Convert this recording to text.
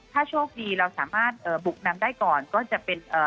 ถ้าโชคดีเราสามารถเอ่อบุกนำได้ก่อนก็จะเป็นเอ่อ